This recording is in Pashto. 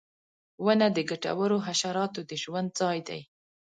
• ونه د ګټورو حشراتو د ژوند ځای دی.